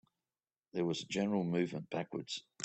There was a general movement backwards.